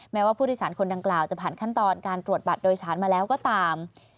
แม้ว่าผู้โดยสารคนดังกล่าวจะผ่านขั้นตอนการตรวจบัตรโดยสารมาแล้วก็ตาม